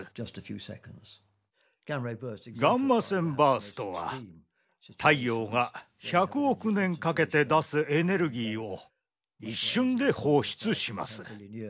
ガンマ線バーストは太陽が１００億年かけて出すエネルギーを一瞬で放出します。